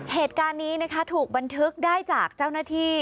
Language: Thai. เหตุการณ์นี้นะคะถูกบันทึกได้จากเจ้าหน้าที่